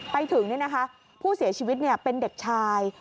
ไปถึงเนี่ยนะคะผู้เสียชีวิตเนี่ยเป็นเด็กชาย